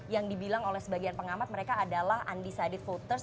yang dibilang oleh sebagian pengamat mereka adalah undecided voters